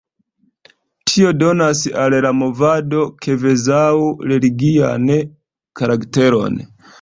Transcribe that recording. Tio donas al la movado kvazaŭ religian karakteron.